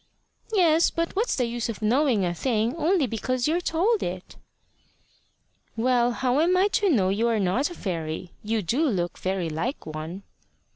"Yes. But what's the use of knowing a thing only because you're told it?" "Well, how am I to know you are not a fairy? You do look very like one."